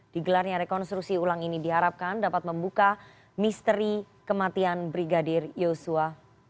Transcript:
digelarnya rekonstruksi ulang ini diharapkan dapat membuka misteri kematian brigadir yosua